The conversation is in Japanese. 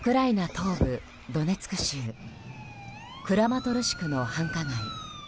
東部ドネツク州クラマトルシクの繁華街。